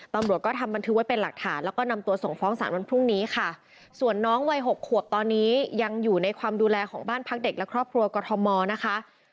ตำรวจก็ทำบันทึกไว้เป็นหลักฐานแล้วก็นำตัวส่งฟ้องสารวันพรุ่งนี้ค่ะส่วนน้องวัยหกขวบตอนนี้ยังอยู่ในความดูแลของบ้านพักเด็กและครอบครัวกรทมนะคะ